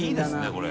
これ。